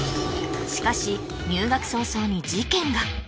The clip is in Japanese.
しかし入学早々に事件が！